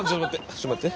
ちょっと待って。